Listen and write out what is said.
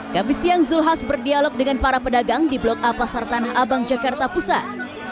kami siang zulkifli hasan berdialog dengan para pedagang di blok a pasar tanah abang jakarta pusat